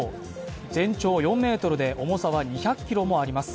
全長４ｍで重さは２００ｋｇもあります。